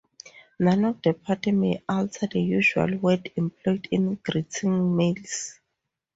None of the party may utter the usual word employed in greeting males.